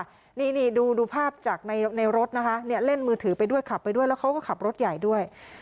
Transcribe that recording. นี่ดูภาพจากในรถนะคะเนี่ยเล่นมือถือไปด้วยขับไปด้วยแล้วเขาก็ขับรถใหญ่ด้วย